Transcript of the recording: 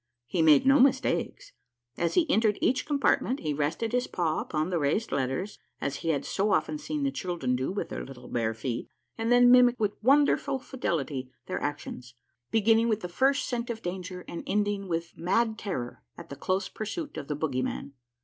He made no mistakes. As he entered each compartment, he rested his paw upon the raised letters as he had so often seen the children do with their little bare feet, and then mimicked with wonderful fidelity their actions, beginning with the first scent of danger and ending with mad terror at the close pursuit of the bogyman.